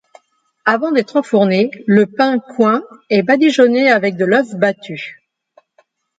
Avant d'être enfourné, le pain-coing est badigeonné avec de l'œuf battu.